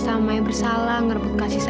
adabon nyanyi warna er jaroro ke ventura